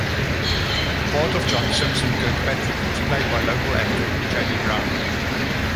The part of John Simpson Kirkpatrick was played by local actor Jamie Brown.